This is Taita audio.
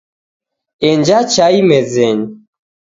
Enja chai mezenyi